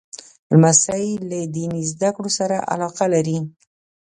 لمسی له دیني زده کړو سره علاقه لري.